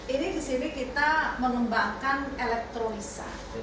ini kesini kita mengembangkan elektrolisa